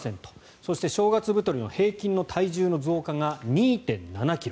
そして正月太りの平均の体重の増加が２．７ｋｇ。